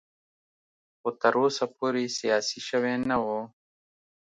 خو تر اوسه پورې سیاسي شوی نه و.